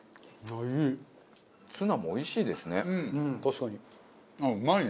ツナもおいしいですね。